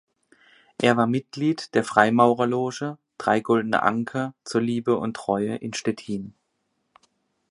Er war Mitglied der Freimaurerloge "Drei goldene Anker zur Liebe und Treue" in Stettin.